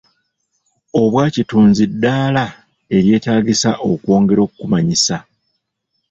Obwakitunzi ddaala eryeetaagisa okwongera okumanyisa.